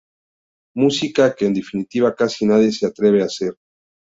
Música que, en definitiva, casi nadie se atreve a hacer.